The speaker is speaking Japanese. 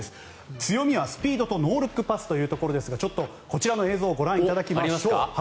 強みはスピードとノールックパスということでこちらの映像をご覧いただきましょう。